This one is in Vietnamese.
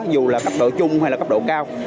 dù là cấp độ chung hay là cấp độ cao